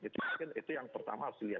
itu mungkin itu yang pertama harus dilihat